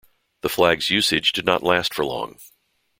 The flag's usage did not last for long.